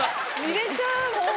入れちゃう！